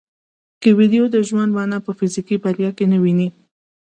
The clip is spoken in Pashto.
کویلیو د ژوند مانا په فزیکي بریا کې نه ویني.